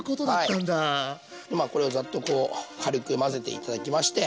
まあこれをザッとこう軽く混ぜて頂きまして。